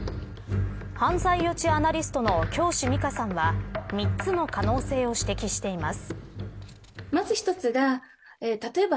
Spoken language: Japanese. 犯罪予知アナリストの京師美佳さんは３つの可能性を指摘しています。